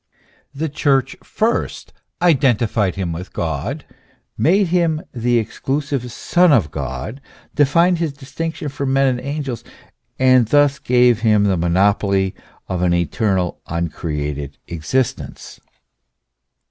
The Church first identified him with God, made him the exclusive Son of God, defined his distinction from men and angels, and thus gave him the monopoly of an eternal, uncreated existence.